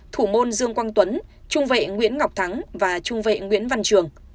thủ môn dương quang tuấn trung vệ nguyễn ngọc thắng và trung vệ nguyễn văn trường